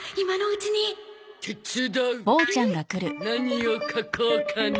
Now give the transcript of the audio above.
何を描こうかな。